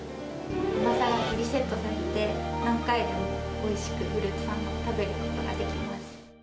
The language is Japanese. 甘さがリセットされて、何回でもおいしくフルーツサンドを食べることができます。